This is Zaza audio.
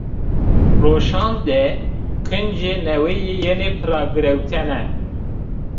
Roşan de kincê neweyî yenê piragirewtene